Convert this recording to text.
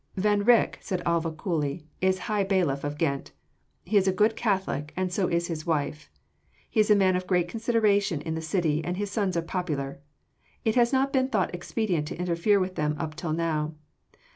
"Van Rycke," said Alva coldly, "is High Bailiff of Ghent. He is a good Catholic and so is his wife: he is a man of great consideration in the city and his sons are popular. It has not been thought expedient to interfere with them up to now.